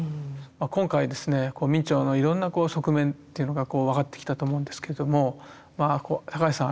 今回明兆のいろんな側面というのが分かってきたと思うんですけれども高橋さん